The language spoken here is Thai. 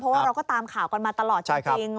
เพราะว่าเราก็ตามข่าวกันมาตลอดจริง